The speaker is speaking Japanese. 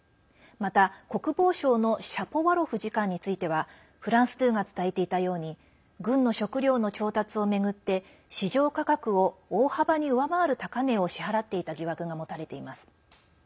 また、国防省のシャポワロフ次官についてはフランス２が伝えていたように軍の食料の調達を巡って市場価格を大幅に上回る高値を支払っていた疑惑が持たれています。